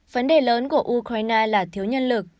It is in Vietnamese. vấn đề lớn của ukraine là thiếu nhân lực